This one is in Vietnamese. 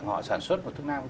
họ sản xuất một thuốc nam